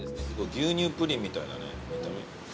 牛乳プリンみたいだね見た目。